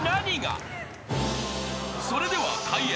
［それでは開演］